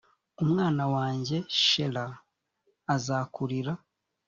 umwana wanjye shela azakurira